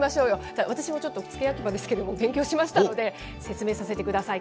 じゃあ、私もちょっと付け焼き刃ですけど、勉強しましたので、説明させてください。